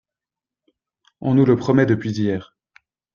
On nous le promet depuis hier